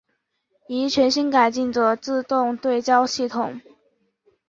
以及全新改进的自动对焦系统。